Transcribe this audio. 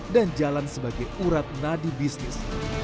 dan jalan sebagai urat nadi bisnis